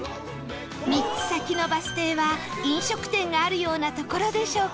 ３つ先のバス停は飲食店があるような所でしょうか？